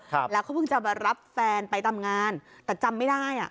ครับแล้วเขาเพิ่งจะมารับแฟนไปทำงานแต่จำไม่ได้อ่ะ